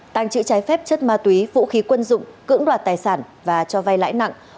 tàng trữ trái phép chất ma túy vũ khí quân dụng cưỡng đoạt tài sản và cho vay lãi nặng